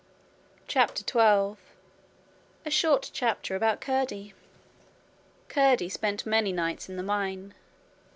CHAPTER 12 A Short Chapter About Curdie Curdie spent many nights in the mine.